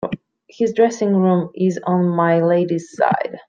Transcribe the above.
His dressing-room is on my Lady's side.